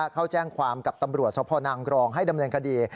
เขาแจ้งความกับตำรวจสพนางกรองให้ดำเนินคดี